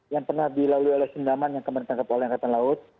yang pernah dilalui oleh sindaman yang kemarin ditangkap oleh angkatan laut